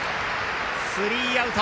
スリーアウト。